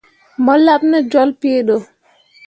Mo laɓ ne jolle pii ɗo.